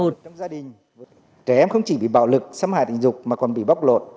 trẻ em không chỉ bị bạo lực xâm hại tình dục mà còn bị bóc lột